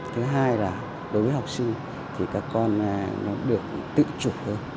thứ hai là đối với học sinh thì các con nó được tự chủ hơn